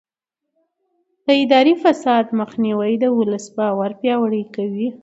د اداري فساد مخنیوی د ولس باور پیاوړی کوي.